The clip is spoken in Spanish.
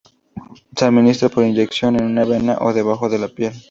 Se administra por inyección en una vena o debajo de la piel.